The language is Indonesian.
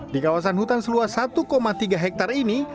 di kawasan hutan seluas satu tiga hektare ini